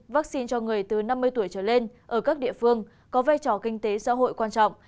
vaccine cho người từ năm mươi tuổi trở lên ở các địa phương có vai trò kinh tế xã hội quan trọng